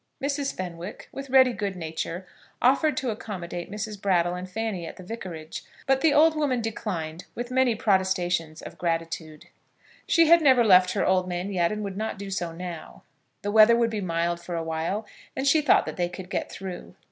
Mrs. Fenwick, with ready good nature, offered to accommodate Mrs. Brattle and Fanny at the Vicarage; but the old woman declined with many protestations of gratitude. She had never left her old man yet, and would not do so now. The weather would be mild for awhile, and she thought that they could get through.